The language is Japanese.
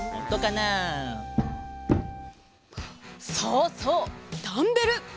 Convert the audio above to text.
そうそうダンベル！